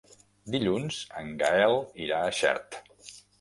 Dilluns en Gaël irà a Xert.